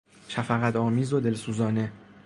شفقتآمیز و دلسوزانه